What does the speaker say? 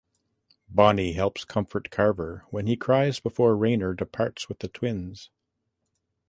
Bonnie helps comfort Carver when he cries before Raynor departs with the twins.